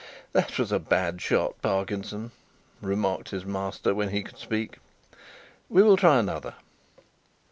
"That was a bad shot, Parkinson," remarked his master when he could speak. "We will try another."